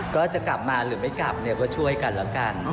ก็จะกลับมาหรือไม่กลับเนี่ยก็ช่วยกันแล้วกัน